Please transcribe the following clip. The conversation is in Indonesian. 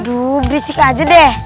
aduh berisik aja deh